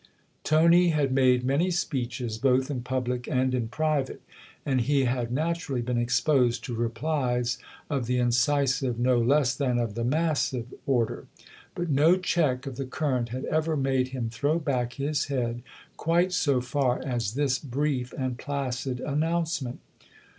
Tony had made many speeches, both in public and in private, and he had naturally been exposed to replies of the incisive no less than of the massive order. But no check of the current had ever made him throw back his head quite so far as this brief and placid announcement.